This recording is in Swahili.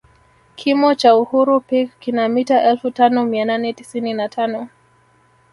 Kimo cha uhuru peak kina mita elfu tano mia nane tisini na tano